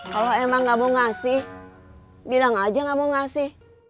kalau emang gak mau ngasih bilang aja gak mau ngasih